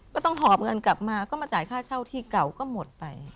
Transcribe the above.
ก็ต้องหอบเงินกลับมาก็มาจ่ายค่าเช่าที่เก่าก็หมดไป